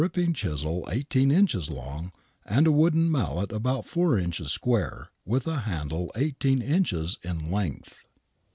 pping chisel eighteen inches long, and a wooden mallet about four inches square, with a handle eighteen inches in length.